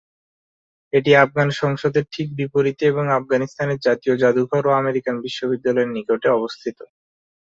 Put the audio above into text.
এটি আফগান সংসদের ঠিক বিপরীতে এবং আফগানিস্তানের জাতীয় জাদুঘর ও আমেরিকান বিশ্ববিদ্যালয়ের নিকটে অবস্থিত।